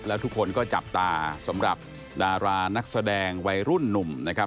แล้วทุกคนก็จับตาสำหรับดารานักแสดงวัยรุ่นหนุ่มนะครับ